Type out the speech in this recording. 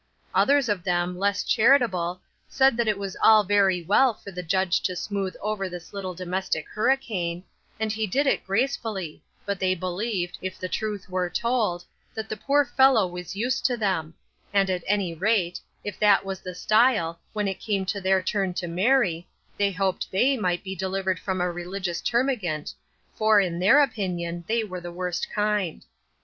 " Others of them, less chari table, said it was all very well for the Judge to smooth over this little domestic hurricane, and he did it gracefully, but they believed, if the truth were told, that the poor fellow was used to them ; and at any rate, if that was the style, when it came their turn to marry, they hoped they might be delivered from a religious termagant, for, in their opinion, they were the worst kind.